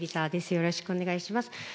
よろしくお願いします。